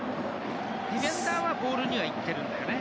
ディフェンダーはボールにはいってるんだしょね。